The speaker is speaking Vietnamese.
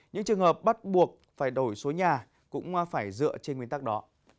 những trường hợp bắt buộc phải đổi số nhà cũng phải dựa trên nguyên tắc đó